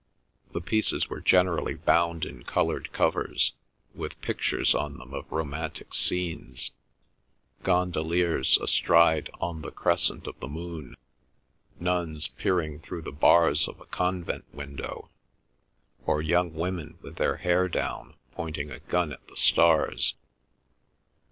The pieces were generally bound in coloured covers, with pictures on them of romantic scenes—gondoliers astride on the crescent of the moon, nuns peering through the bars of a convent window, or young women with their hair down pointing a gun at the stars.